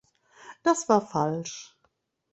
Das war falsch.